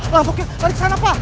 ramboknya lari kesana pak